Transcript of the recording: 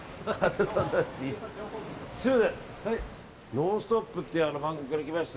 「ノンストップ！」という番組から来ました